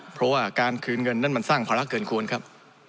เพราะว่าการคืนเงินนั้นมันสร้างภาระเกินควรครับ